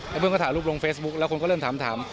เพื่อนก็ถ่ายรูปลงเฟซบุ๊คแล้วคนก็เริ่มถาม